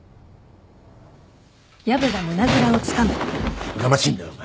やかましいんだよお前。